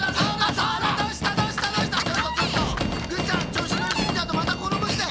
ちょうしのりすぎちゃうとまたころぶって！